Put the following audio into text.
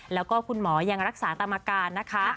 แล้วก็คุณหมอยังรักษาตามอาการนะคะ